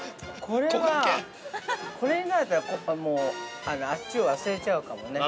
◆これはこれに慣れたらあっちを忘れちゃうかもね。